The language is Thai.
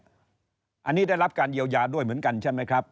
อันนี้ได้รับการเยียวยาด้วยเหมือนกันใช่ไหมครับ